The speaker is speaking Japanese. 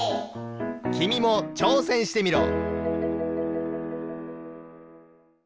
きみもちょうせんしてみろ！